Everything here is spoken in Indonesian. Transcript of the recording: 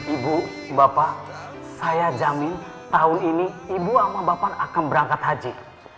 ibu bapak saya jamin tahun ini ibu sama bapak akan berangkat haji